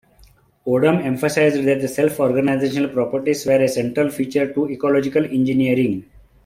Odum emphasized that self-organizational properties were a central feature to ecological engineering.